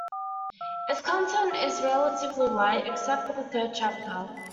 Its content is relatively light, except for the third chapter.